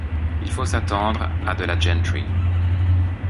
Il faut s’attendre à de la gentry.